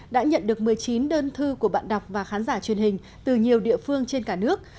đã nhận được một mươi chín đơn thư của bạn đọc và khán giả truyền hình từ nhiều địa phương trên cả nước